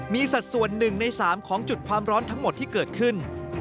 มีสัดส่วน๑ใน๓ของจุดความร้อนทั้งหมดที่เกิดขึ้น